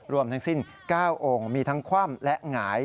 รวมทั้งสิ้น๙องค์มีทั้งคว่ำและหงาย